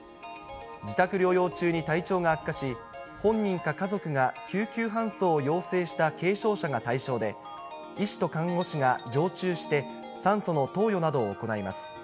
自宅療養中に体調が悪化し、本人か家族が救急搬送を要請した軽症者が対象で、医師と看護師が常駐して、酸素の投与などを行います。